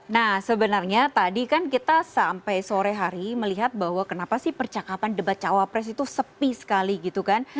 nah sebenarnya tadi kan kita sampai sore hari melihat bahwa kenapa sih percakapan debat cawapres itu sepi sekali gitu kan